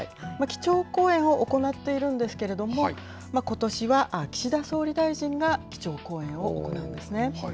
基調講演を行っているんですけれども、ことしは岸田総理大臣が基調講演を行うんですね。